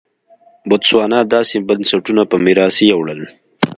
بوتسوانا داسې بنسټونه په میراث یووړل.